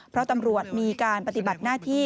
เพราะตำรวจมีการปฏิบัติหน้าที่